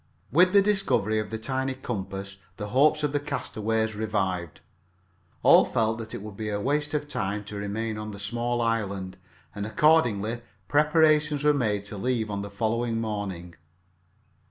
With the discovery of the tiny compass the hopes of the castaways revived. All felt that it would be a waste of time to remain on the small island, and accordingly preparations were made to leave on the following morning.